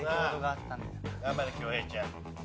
頑張れ恭平ちゃん。